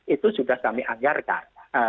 itu sudah kami anggarkan